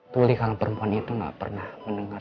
pulih kalau perempuan itu gak pernah mendengar